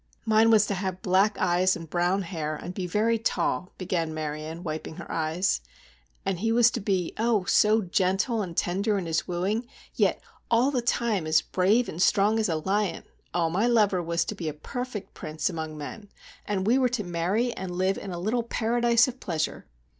"Mine was to have black eyes and brown hair, and be very tall," began Marion, wiping her eyes, "and he was to be, oh, so gentle and tender in his wooing, yet all the time as brave and strong as a lion! Oh, my lover was to be a perfect prince among men, and we were to marry and live in a little paradise of pleasure!"